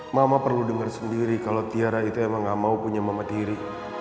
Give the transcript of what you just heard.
mama perlu dengar sendiri kalau tiara itu emang gak mau punya mama diri